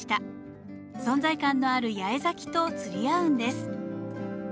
存在感のある八重咲きと釣り合うんです。